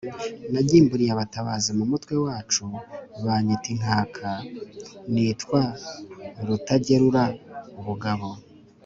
nagimbuliye abatabazi mu mutwe wacu banyita inkaka, nitwa Rutagerura ubugabo